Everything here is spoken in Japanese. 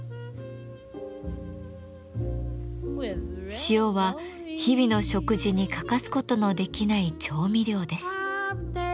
塩は日々の食事に欠かすことのできない調味料です。